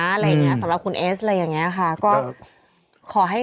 อะไรอย่างนี้สำหรับคุณเอสค่ะ